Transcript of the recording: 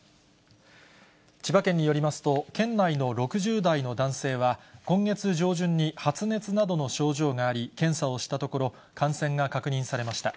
千葉県によりますと、県内の６０代の男性は、今月上旬に発熱などの症状があり、検査をしたところ、感染が確認されました。